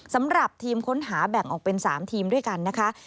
สำหรับทีมค้นหาแบ่งออกเป็น๓ทีมด้วยกันนะคะ